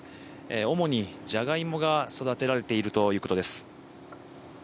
主にじゃがいもが育てられているということです。